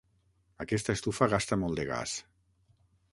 Aquesta estufa gasta molt de gas.